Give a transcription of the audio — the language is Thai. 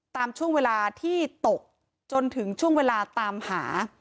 ตามเวลาที่จนถึงช่วงเวลาตามหา